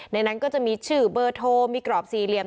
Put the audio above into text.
ในนั้นก็จะมีชื่อเบอร์โทรมีกรอบสี่เหลี่ยม